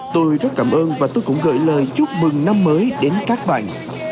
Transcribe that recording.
tôi rất cảm ơn và tôi cũng gửi lời chúc mừng năm mới đến các bạn